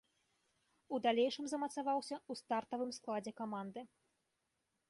У далейшым замацаваўся ў стартавым складзе каманды.